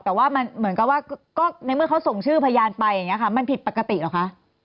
แต่ว่าเขาส่งชื่อพยานไปแบบนี้มันผิดปกติเหรอคะ